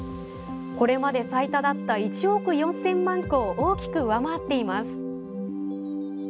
これまで最多だった１億４０００万個を大きく上回っています。